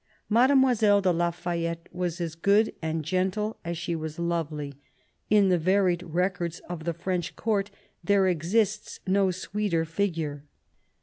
Mademoiselle de la Fayette was as good and gentle as she was lovely ; in the varied records of the French Court there exists no sweeter figure.